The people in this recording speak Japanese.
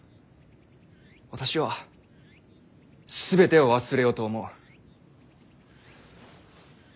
私は全てを忘れようと思う。